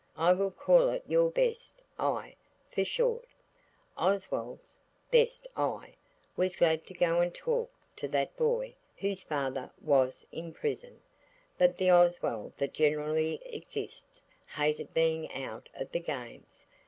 I will call it your best I, for short. Oswald's "best I" was glad to go and talk to that boy whose father was in prison, but the Oswald that generally exists hated being out of the games.